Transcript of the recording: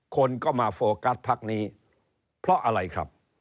คนก็มาโฟกัสพักนี้เพราะอะไรครับ